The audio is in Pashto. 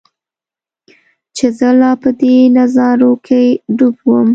چې زۀ لا پۀ دې نظارو کښې ډوب ووم